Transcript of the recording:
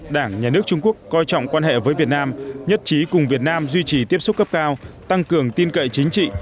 đảng nhà nước trung quốc coi trọng quan hệ với việt nam nhất trí cùng việt nam duy trì tiếp xúc cấp cao tăng cường tin cậy chính trị